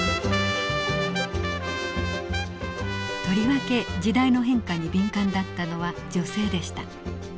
とりわけ時代の変化に敏感だったのは女性でした。